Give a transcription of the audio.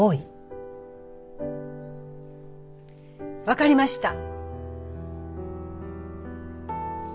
分かりました。